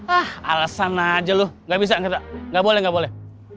ah alasan aja lu gabisa gak boleh gak boleh